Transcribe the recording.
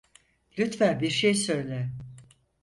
Lütfen bir şey söyle.